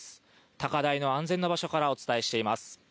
高台の安全な場所からお伝えしています。